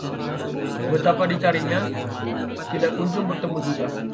betapa dicarinya, tidak kunjung bertemu juga